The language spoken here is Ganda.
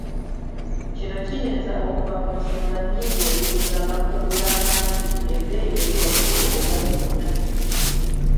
Kino kiyinza okuva ku nsonga nnyingi okugeza amakungula amangi, ebbeeyi eri waggulu oba byonna.